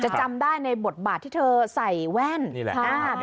จะจำได้ในบทบาทที่เธอใส่แว่นค่ะ